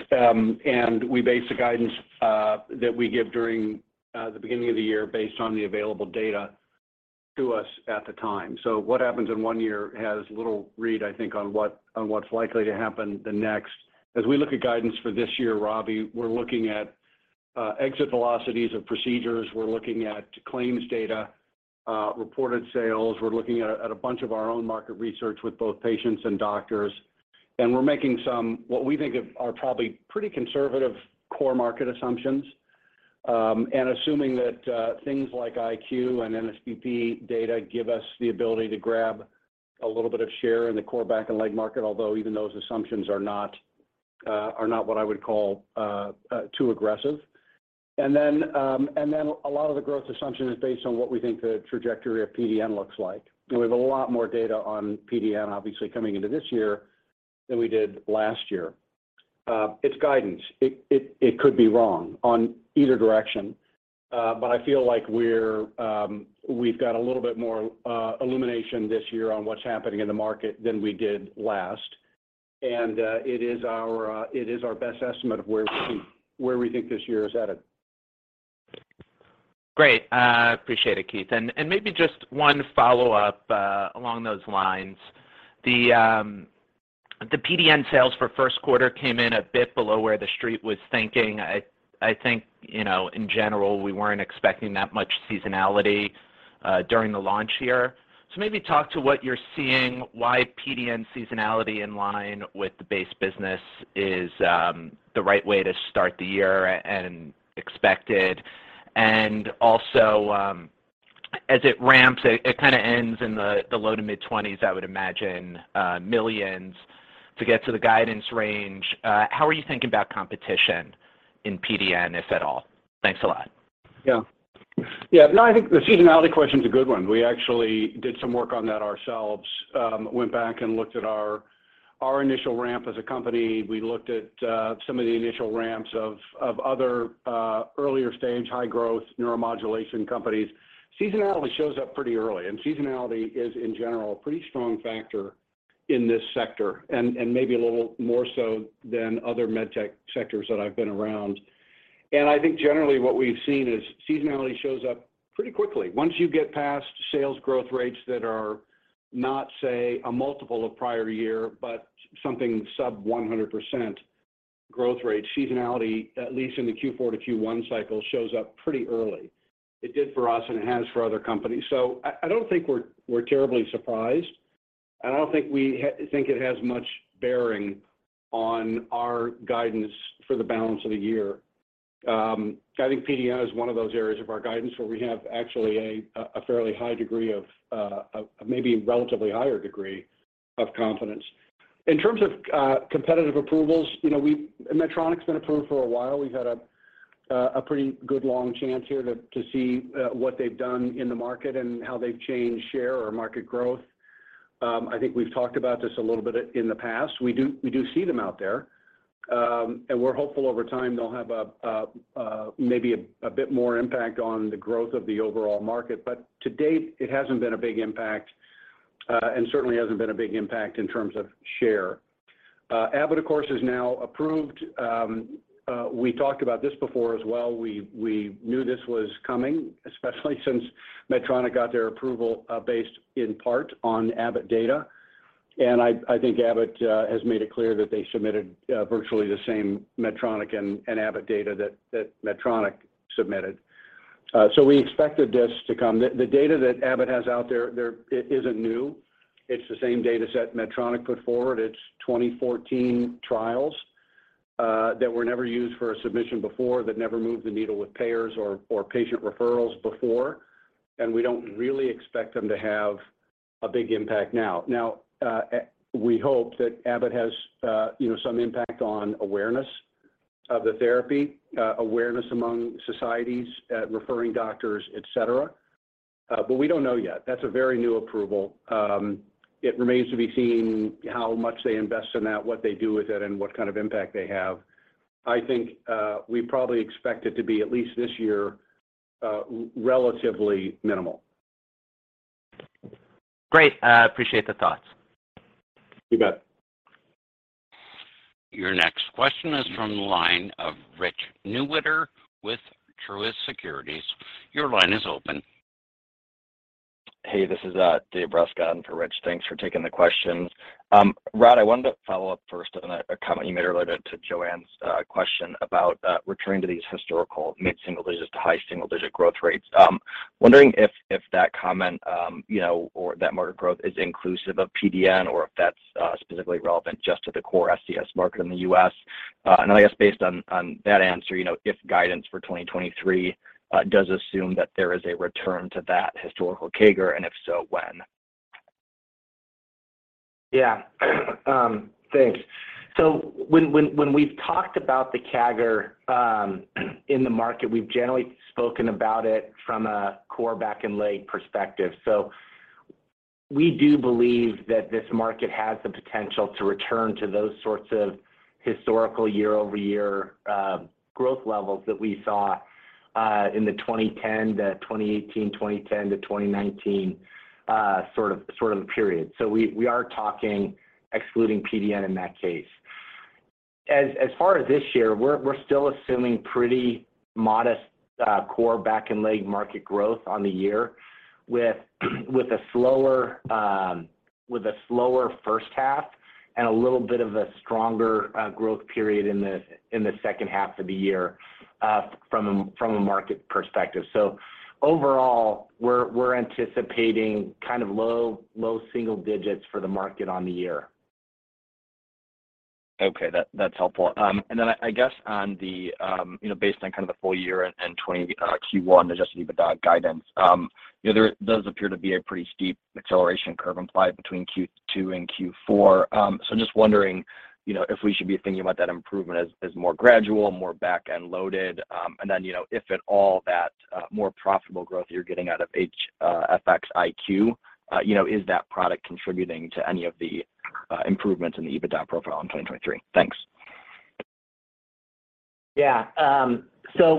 We base the guidance that we give during the beginning of the year based on the available data to us at the time. What happens in one year has little read, I think, on what, on what's likely to happen the next. As we look at guidance for this year, Robbie, we're looking at exit velocities of procedures. We're looking at claims data, reported sales. We're looking at a bunch of our own market research with both patients and doctors. We're making some, what we think of are probably pretty conservative core market assumptions. Assuming that things like iQ and NSBP data give us the ability to grab a little bit of share in the core back and leg market, although even those assumptions are not what I would call too aggressive. A lot of the growth assumption is based on what we think the trajectory of PDN looks like. We have a lot more data on PDN obviously coming into this year than we did last year. It's guidance. It could be wrong on either direction, but I feel like we've got a little bit more illumination this year on what's happening in the market than we did last. It is our best estimate of where we think this year is headed. Great. Appreciate it, Keith. Maybe just one follow-up along those lines. The PDN sales for first quarter came in a bit below where the street was thinking. I think, you know, in general, we weren't expecting that much seasonality during the launch year. Maybe talk to what you're seeing, why PDN seasonality in line with the base business is the right way to start the year and expected. Also, as it ramps, it kind of ends in the low to mid-20s, I would imagine, $ millions to get to the guidance range. How are you thinking about competition in PDN, if at all? Thanks a lot. Yeah. Yeah. No, I think the seasonality question is a good one. We actually did some work on that ourselves. went back and looked at our initial ramp as a company. We looked at some of the initial ramps of other earlier stage high growth neuromodulation companies. Seasonality shows up pretty early, and seasonality is in general a pretty strong factor in this sector and maybe a little more so than other med tech sectors that I've been around. I think generally what we've seen is seasonality shows up pretty quickly. Once you get past sales growth rates that are not, say, a multiple of prior year, but something sub 100% growth rate, seasonality, at least in the Q4-Q1 cycle, shows up pretty early. It did for us, and it has for other companies. I don't think we're terribly surprised, I don't think it has much bearing on our guidance for the balance of the year. I think PDN is one of those areas of our guidance where we have actually a fairly high degree of maybe a relatively higher degree of confidence. In terms of competitive approvals, you know, Medtronic's been approved for a while. We've had a pretty good long chance here to see what they've done in the market and how they've changed share or market growth. I think we've talked about this a little bit in the past. We do see them out there, we're hopeful over time they'll have a maybe a bit more impact on the growth of the overall market. To date, it hasn't been a big impact, and certainly hasn't been a big impact in terms of share. Abbott, of course, is now approved. We talked about this before as well. We knew this was coming, especially since Medtronic got their approval, based in part on Abbott data. And I think Abbott has made it clear that they submitted virtually the same Medtronic and Abbott data that Medtronic submitted. We expected this to come. The data that Abbott has out there, it isn't new. It's the same dataset Medtronic put forward. It's 2014 trials that were never used for a submission before, that never moved the needle with payers or patient referrals before. We don't really expect them to have a big impact now. Now, we hope that Abbott has, you know, some impact on awareness of the therapy, awareness among societies, referring doctors, et cetera. We don't know yet. That's a very new approval. It remains to be seen how much they invest in that, what they do with it, and what kind of impact they have. I think, we probably expect it to be, at least this year, relatively minimal. Great. Appreciate the thoughts. You bet. Your next question is from the line of Richard Newitter with Truist Securities. Your line is open. Hey, this is David Rescott on for Rich. Thanks for taking the questions. Rod, I wanted to follow up first on a comment you made earlier to Joanne's question about returning to these historical mid-single digits to high single-digit growth rates. Wondering if that comment, you know, or that market growth is inclusive of PDN or if that's specifically relevant just to the core SCS market in the U.S.? I guess based on that answer, you know, if guidance for 2023 does assume that there is a return to that historical CAGR, and if so, when? Thanks. When we've talked about the CAGR in the market, we've generally spoken about it from a core back and leg perspective. We do believe that this market has the potential to return to those sorts of Historical year-over-year growth levels that we saw in the 2010 to 2018, 2010 to 2019 sort of period. We are talking excluding PDN in that case. As far as this year, we're still assuming pretty modest core back and leg market growth on the year with a slower, with a slower first half and a little bit of a stronger growth period in the second half of the year from a market perspective. Overall, we're anticipating kind of low single digits for the market on the year. Okay. That's helpful. I guess on the, you know, based on kind of the full year and Q1 Adjusted EBITDA guidance, you know, there does appear to be a pretty steep acceleration curve implied between Q2 and Q4. I'm just wondering, you know, if we should be thinking about that improvement as more gradual, more back-end loaded. If at all that more profitable growth you're getting out of HFX iQ, you know, is that product contributing to any of the improvements in the EBITDA profile in 2023? Thanks. Yeah.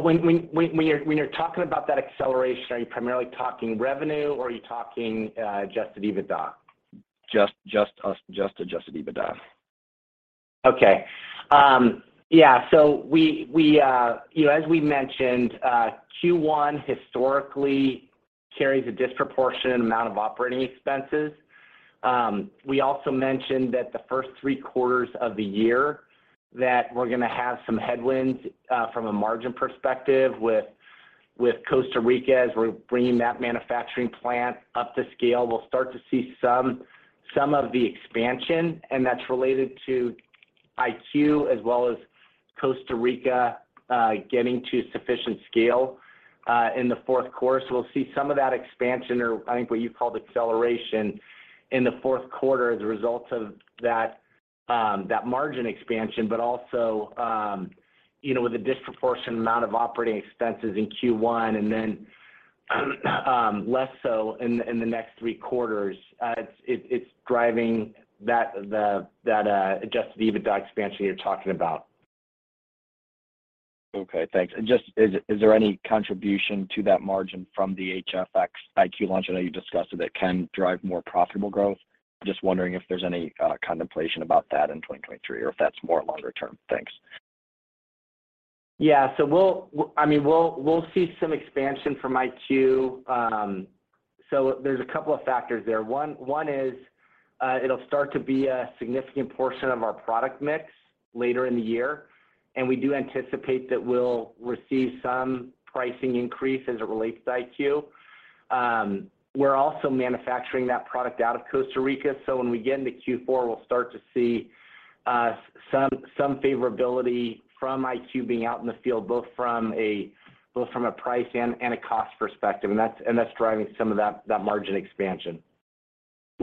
When you're talking about that acceleration, are you primarily talking revenue or are you talking Adjusted EBITDA? Just, just Adjusted EBITDA. Okay. We, we, you know, as we mentioned, Q1 historically carries a disproportionate amount of operating expenses. We also mentioned that the first 3 quarters of the year that we're gonna have some headwinds from a margin perspective with Costa Rica as we're bringing that manufacturing plant up to scale. We'll start to see some of the expansion, and that's related to iQ as well as Costa Rica getting to sufficient scale in the fourth quarter. We'll see some of that expansion or I think what you called acceleration in the fourth quarter as a result of that margin expansion, but also, you know, with a disproportionate amount of operating expenses in Q1 and then less so in the next 3 quarters. It's driving that Adjusted EBITDA expansion you're talking about. Okay. Thanks. Just is there any contribution to that margin from the HFX iQ launch I know you discussed that can drive more profitable growth? Just wondering if there's any contemplation about that in 2023 or if that's more longer term? Thanks. Yeah. I mean, we'll see some expansion from iQ. There's a couple of factors there. One is, it'll start to be a significant portion of our product mix later in the year, and we do anticipate that we'll receive some pricing increase as it relates to iQ. We're also manufacturing that product out of Costa Rica, when we get into Q4 we'll start to see some favorability from iQ being out in the field, both from a price and a cost perspective. That's driving some of that margin expansion.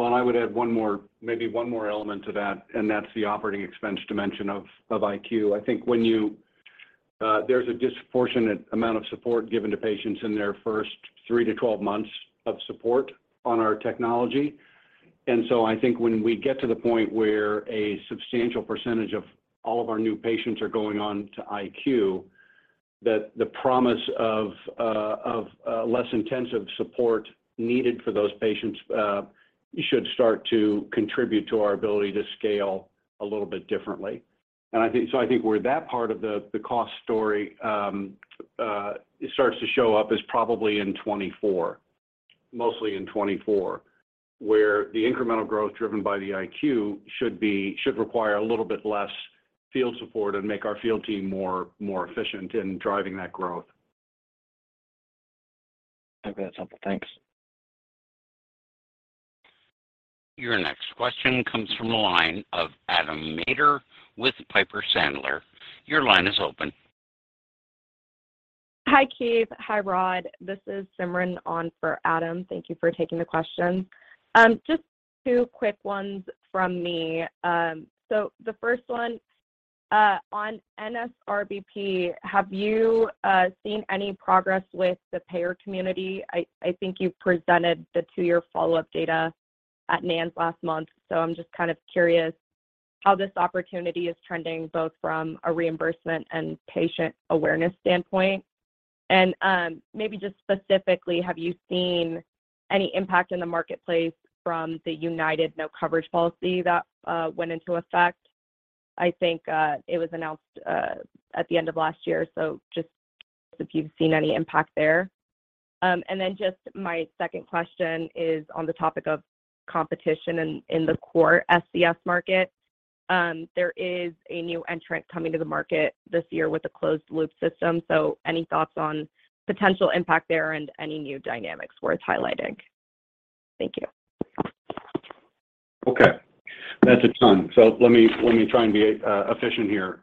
I would add one more, maybe one more element to that, and that's the operating expense dimension of iQ. I think when there's a disproportionate amount of support given to patients in their first 3 to 12 months of support on our technology. I think when we get to the point where a substantial percentage of all of our new patients are going on to iQ, that the promise of less intensive support needed for those patients should start to contribute to our ability to scale a little bit differently. I think where that part of the cost story starts to show up is probably in 2024. Mostly in 2024, where the incremental growth driven by the iQ should require a little bit less field support and make our field team more efficient in driving that growth. Okay. That's helpful. Thanks. Your next question comes from the line of Adam Maeder with Piper Sandler. Your line is open. Hi, Keith. Hi, Rod. This is Simran on for Adam. Thank you for taking the question. Just two quick ones from me. The first one on NSRBP, have you seen any progress with the payer community? I think you presented the two-year follow-up data at NANS last month, I'm just kind of curious how this opportunity is trending both from a reimbursement and patient awareness standpoint. Maybe just specifically, have you seen any impact in the marketplace from the United no coverage policy that went into effect? I think it was announced at the end of last year, just if you've seen any impact there. Just my second question is on the topic of competition in the core SCS market. There is a new entrant coming to the market this year with a closed loop system. Any thoughts on potential impact there and any new dynamics worth highlighting? Thank you. Okay. That's a ton. Let me, let me try and be efficient here.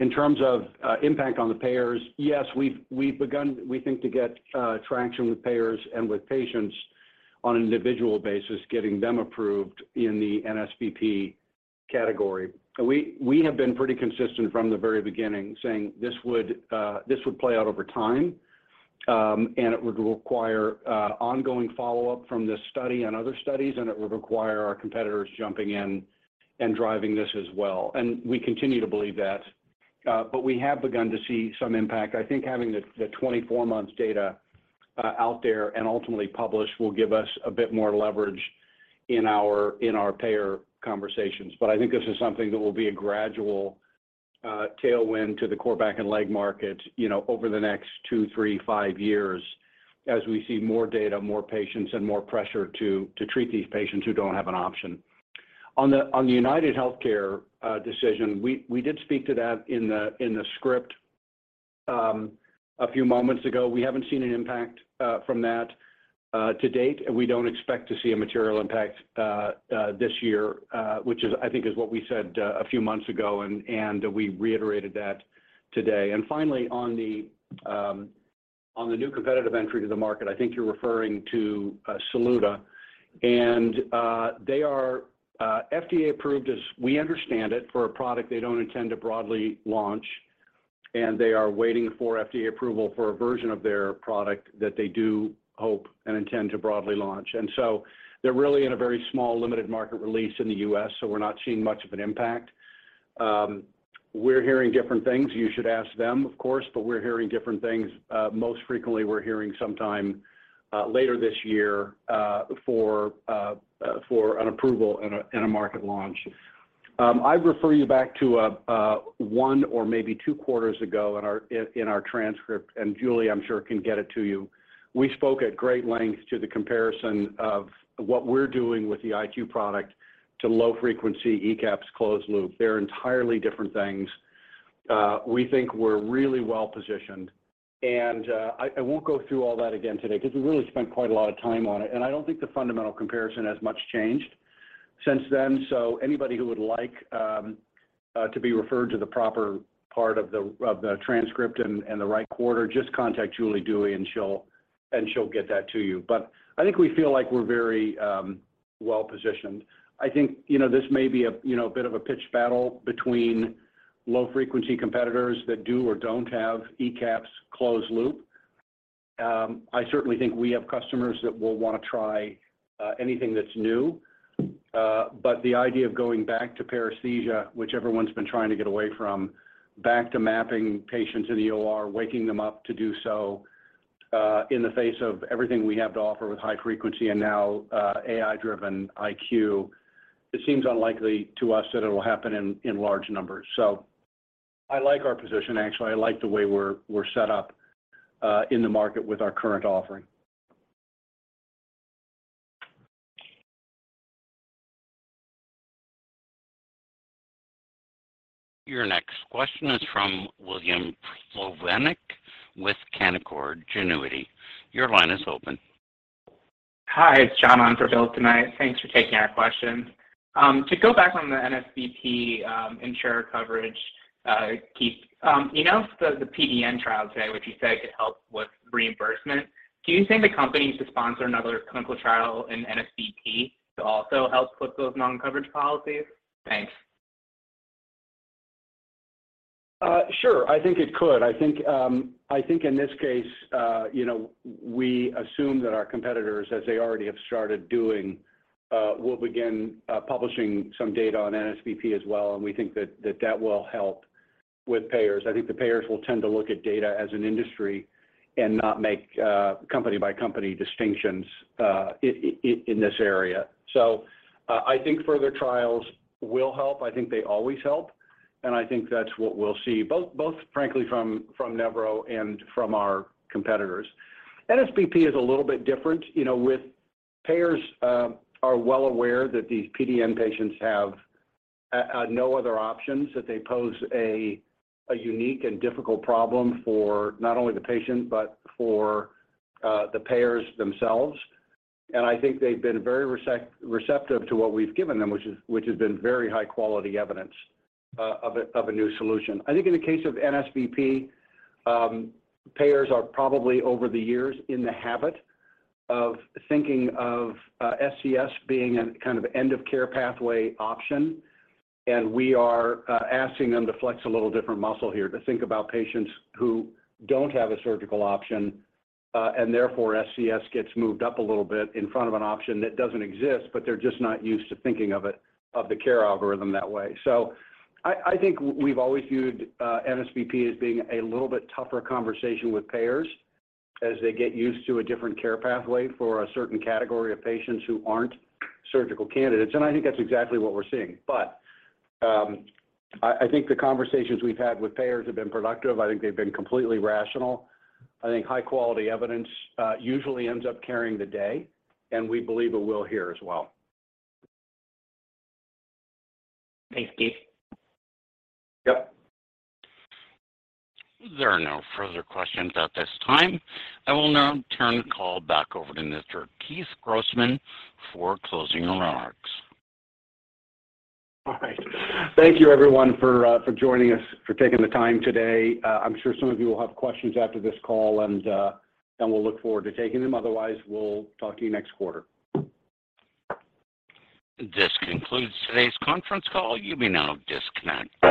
In terms of impact on the payers, yes, we've begun we think to get traction with payers and with patients on an individual basis, getting them approved in the NSBP category. We, we have been pretty consistent from the very beginning saying this would, this would play out over time. It would require ongoing follow-up from this study and other studies, and it would require our competitors jumping in and driving this as well. We continue to believe that, but we have begun to see some impact. I think having the 24-month data out there and ultimately published will give us a bit more leverage in our payer conversations. I think this is something that will be a gradual tailwind to the core back and leg market, you know, over the next two, three, five years as we see more data, more patients, and more pressure to treat these patients who don't have an option. On the UnitedHealthcare decision, we did speak to that in the script a few moments ago. We haven't seen an impact from that to date, and we don't expect to see a material impact this year, which is, I think, is what we said a few months ago and we reiterated that today. Finally, on the new competitive entry to the market, I think you're referring to Saluda. They are FDA approved as we understand it for a product they don't intend to broadly launch, and they are waiting for FDA approval for a version of their product that they do hope and intend to broadly launch. They're really in a very small limited market release in the U.S., so we're not seeing much of an impact. We're hearing different things. You should ask them of course, but we're hearing different things. Most frequently we're hearing sometime later this year for an approval and a market launch. I'd refer you back to one or maybe two quarters ago in our transcript, and Julie I'm sure can get it to you. We spoke at great length to the comparison of what we're doing with the iQ product to low frequency ECAPs closed loop. They're entirely different things. We think we're really well-positioned, and I won't go through all that again today because we really spent quite a lot of time on it, and I don't think the fundamental comparison has much changed since then. Anybody who would like to be referred to the proper part of the transcript in the right quarter, just contact Julie Dewey and she'll get that to you. I think we feel like we're very well-positioned. I think, you know, this may be a, you know, a bit of a pitch battle between low frequency competitors that do or don't have ECAPs closed loop. I certainly think we have customers that will want to try anything that's new. The idea of going back to paresthesia, which everyone's been trying to get away from, back to mapping patients in the OR, waking them up to do so, in the face of everything we have to offer with high frequency and now, AI-driven iQ, it seems unlikely to us that it'll happen in large numbers. I like our position actually. I like the way we're set up in the market with our current offering. Your next question is from Bill Plovanic with Canaccord Genuity. Your line is open. Hi, it's John on for Bill tonight. Thanks for taking our questions. To go back on the NSBP insurer coverage, Keith, you know the PDN trial today, which you said could help with reimbursement, do you think the company should sponsor another clinical trial in NSBP to also help flip those non-coverage policies? Thanks. Sure. I think it could. I think in this case, you know, we assume that our competitors, as they already have started doing, will begin publishing some data on NSBP as well, and we think that will help with payers. I think the payers will tend to look at data as an industry and not make company by company distinctions in this area. I think further trials will help. I think they always help, and I think that's what we'll see both frankly from Nevro and from our competitors. NSBP is a little bit different. You know, with payers are well aware that these PDN patients have no other options, that they pose a unique and difficult problem for not only the patient but for the payers themselves. I think they've been very receptive to what we've given them, which has been very high quality evidence of a new solution. I think in the case of NSBP, payers are probably over the years in the habit of thinking of SCS being a kind of end of care pathway option. We are asking them to flex a little different muscle here to think about patients who don't have a surgical option. And therefore SCS gets moved up a little bit in front of an option that doesn't exist. They're just not used to thinking of the care algorithm that way. I think we've always viewed NSBP as being a little bit tougher conversation with payers as they get used to a different care pathway for a certain category of patients who aren't surgical candidates, and I think that's exactly what we're seeing. I think the conversations we've had with payers have been productive. I think they've been completely rational. I think high quality evidence usually ends up carrying the day, and we believe it will here as well. Thanks, Keith. Yep. There are no further questions at this time. I will now turn the call back over to Mr. Keith Grossman for closing remarks. All right. Thank you everyone for joining us, for taking the time today. I'm sure some of you will have questions after this call, and we'll look forward to taking them. Otherwise, we'll talk to you next quarter. This concludes today's conference call. You may now disconnect.